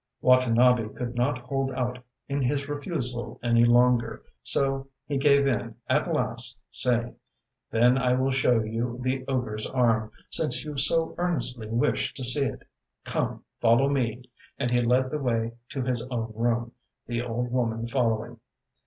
ŌĆØ Watanabe could not hold out in his refusal any longer, so he gave in at last, saying: ŌĆ£Then I will show you the ogreŌĆÖs arm, since you so earnestly wish to see it. Come, follow me! ŌĆØ and he led the way to his own room, the old woman following.